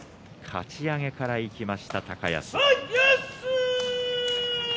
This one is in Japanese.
かち上げからいきました、高安。